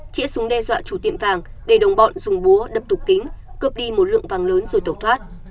chĩa súng đe dọa chủ tiệm vàng để đồng bọn dùng búa đập tục kính cướp đi một lượng vàng lớn rồi tẩu thoát